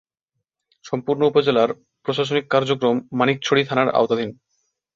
সম্পূর্ণ উপজেলার প্রশাসনিক কার্যক্রম মানিকছড়ি থানার আওতাধীন।